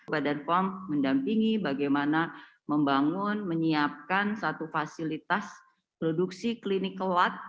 badan pom mendampingi bagaimana membangun menyiapkan satu fasilitas produksi klinik kelat